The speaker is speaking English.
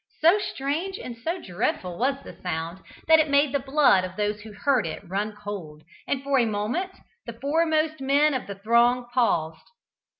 So strange and so dreadful was this sound, that it made the blood of those who heard it run cold, and for a moment the foremost men of the throng paused.